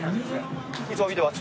いつも見てます。